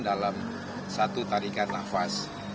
dalam satu tarikan nafas